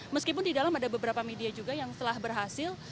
meskipun di dalam ada beberapa media juga yang telah berhasil